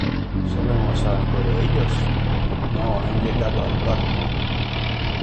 ¿ sabemos algo de ellos? no, han llegado al barco ,